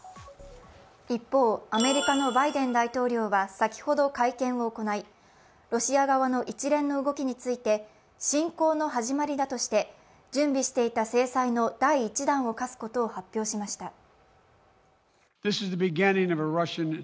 一方、アメリカのバイデン大統領は先ほど会見を行いロシア側の一連の動きについて、侵攻の始まりだとして準備していた制裁の第一弾を科すことを発表しました。